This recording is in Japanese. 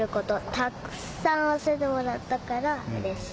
たっくさん教えてもらったからうれしい。